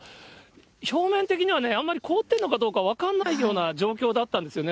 表面的にはあまり凍ってるのかどうか分からないような状況だったんですよね。